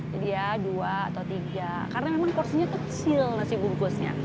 jadi ya dua atau tiga karena memang porsinya kecil nasi bungkusnya